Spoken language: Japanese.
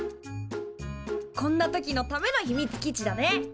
・こんな時のための秘密基地だね。